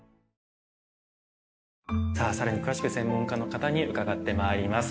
更に詳しく専門家の方に伺ってまいります。